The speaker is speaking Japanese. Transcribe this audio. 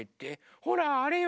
ほらあれよ。